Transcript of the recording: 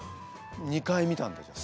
２回見たんだじゃあ。